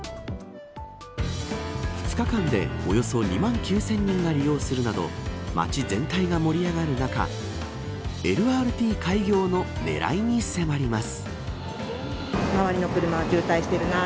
２日間でおよそ２万９０００人が利用するなど街全体が盛り上がる中ＬＲＴ開業の狙いに迫ります。